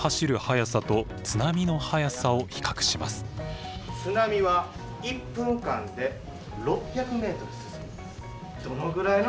津波は１分間で６００ｍ進みます。